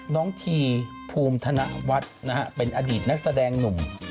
น้องทีภูมิธนวัฒน์นะฮะเป็นอดีตนักแสดงหนุ่ม